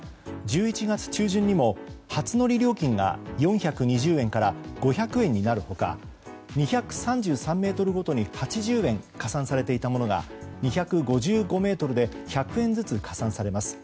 １１月中旬にも初乗り料金が４２０円から５００円になる他２３３ｍごとに８０円加算されていたものが２５５ｍで１００円ずつ加算されます。